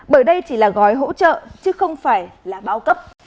bởi đây chỉ là gói hỗ trợ chứ không phải là bao cấp